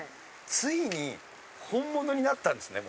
ついに本物になったんですね